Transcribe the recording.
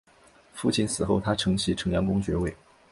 父亲死后他承袭城阳公爵位。